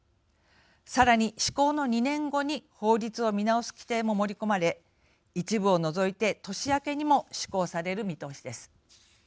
さらに、施行の２年後に法律を見直す規定も盛り込まれ一部を除いて年明けにも施行される見通しです。